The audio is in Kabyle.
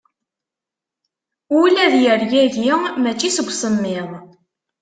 Ul ad yergagi, mačči seg semmiḍ.